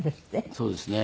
そうですね。